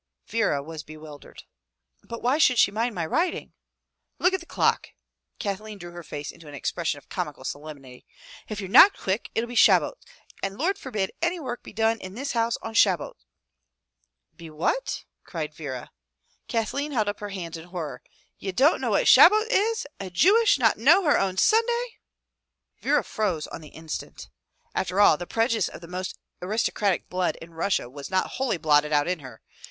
Vera was bewildered. " But why should she mind my writing?" "Look at the clock," Kathleen drew her face into an expression of comical solemnity. " If ye're not quick, it'll be Shabbos and Lord forbid any work should be done in this house on Shabbos,'* "Be what?" cried Vera. Kathleen held up her hands in horror. "Ye don't know what Shabbos is? A Jewess not know her own Sunday!" Vera froze on the instant. After all, the prejudice of the most aristocratic blood in Russia was not wholly blotted out in her.